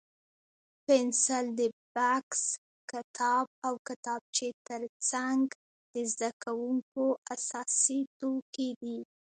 پنسل د بکس، کتاب او کتابچې تر څنګ د زده کوونکو اساسي توکي دي.